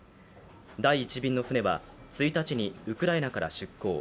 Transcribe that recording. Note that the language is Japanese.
第１便の船は１日にウクライナから出港。